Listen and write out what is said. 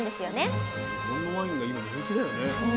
日本のワインが今人気だよね。